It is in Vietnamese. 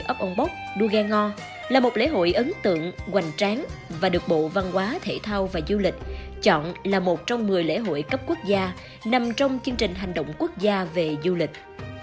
ấp âu bốc đua ghe ngo là một lễ hội ấn tượng hoành tráng và được bộ văn hóa thể thao và du lịch chọn là một trong một mươi lễ hội cấp quốc gia nằm trong chương trình hành động quốc gia về du lịch